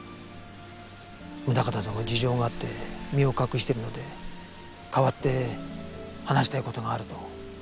宗形さんは事情があって身を隠しているので代わって話したい事があると。